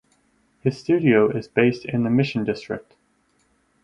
His studio is based in the Mission District.